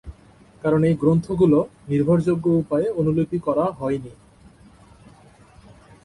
কারণ এই গ্রন্থগুলো নির্ভরযোগ্য উপায়ে অনুলিপি করা হয়নি।